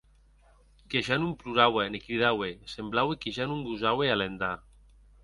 Que ja non ploraue ne cridaue; semblaue que ja non gosaue alendar.